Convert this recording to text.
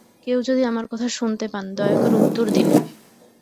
কেউ যদি আমার কথা শুনতে পান, দয়া করে উত্তর দিন।